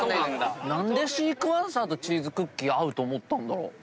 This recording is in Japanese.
何でシークワーサーとチーズクッキー合うと思ったんだろう？